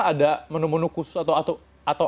ada menu menu khusus atau